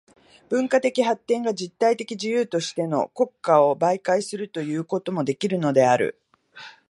文化的発展が実体的自由としての国家を媒介とするということもできるのである。